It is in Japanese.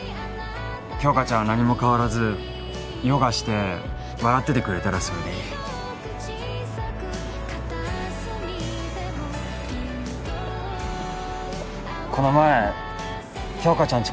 杏花ちゃんは何も変わらずヨガして笑っててくれたらそれでいいこの前杏花ちゃん